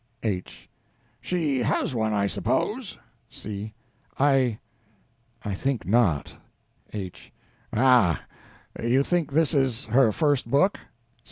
H. She _has _one, I suppose? C. I I think not. H. Ah. You think this is her first book?